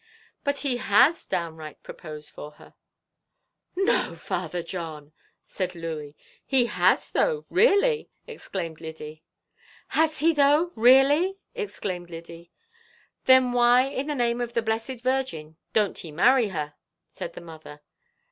"But he has downright proposed for her." "No! Father John," said Louey. "Has he though, really!" exclaimed Lyddy. "Then, why, in the name of the blessed Virgin, don't he marry her?" said the mother.